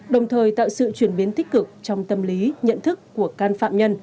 đồng thời tạo sự chuyển biến tích cực trong tâm lý nhận thức của can phạm nhân